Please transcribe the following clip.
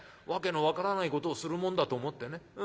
訳の分からないことをするもんだと思ってね。